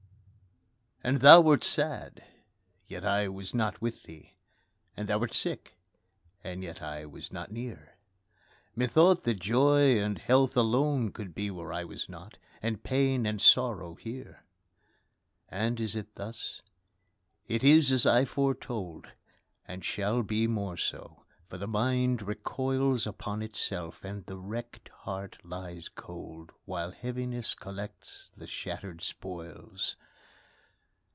And thou wert sad yet I was not with thee; And thou wert sick, and yet I was not near; Methought that Joy and Health alone could be Where I was not and pain and sorrow here! And is it thus? it is as I foretold, And shall be more so; for the mind recoils Upon itself, and the wrecked heart lies cold, While Heaviness collects the shattered spoils.